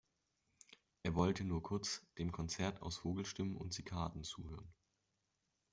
Er wollte nur kurz dem Konzert aus Vogelstimmen und Zikaden zuhören.